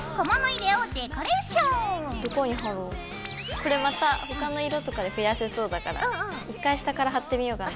これまた他の色とかで増やせそうだから一回下から貼ってみようかな。